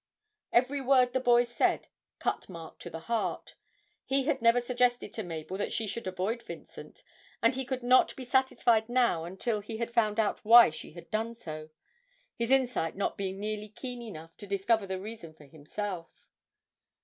Every word the boy said cut Mark to the heart he had never suggested to Mabel that she should avoid Vincent, and he could not be satisfied now until he had found out why she had done so; his insight not being nearly keen enough to discover the reason for himself.